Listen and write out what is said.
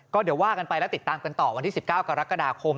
ก็เดี๋ยวว่ากันไปแล้วติดตามกันต่อวันที่๑๙กรกฎาคม